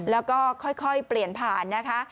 แล้วก็ค่อยเปลี่ยนผ่านนะคะ